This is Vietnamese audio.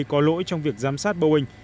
có lỗi trong việc giám sát boeing